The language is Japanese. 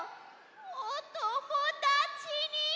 おともだちに？